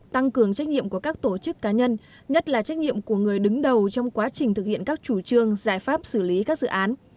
tăng cường trách nhiệm của các tổ chức cá nhân nhất là trách nhiệm của người đứng đầu trong quá trình thực hiện các chủ trương giải pháp xử lý các dự án